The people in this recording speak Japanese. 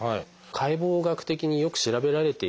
解剖学的によく調べられていましてですね